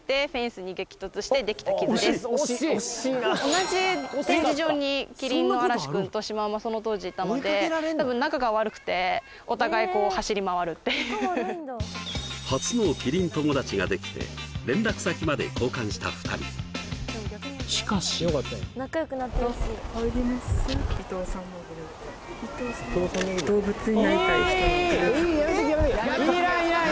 同じ展示場にキリンの嵐君とシマウマその当時いたので多分仲が悪くてお互い走り回るっていう初のキリン友達ができて連絡先まで交換した２人しかしいらんいらんいらん！